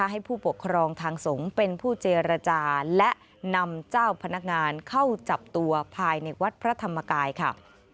ให้ผู้ปกครองทางสงฆ์เป็นผู้เจรจาและนำเจ้าพนักงานเข้าจับตัวภายในวัดพระธรรมกายค่ะ